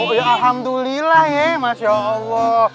ya alhamdulillah ya masya allah